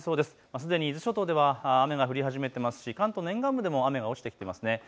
すでに伊豆諸島では雨が降り始めていますし関東の沿岸部でも雨が落ちてきてますね。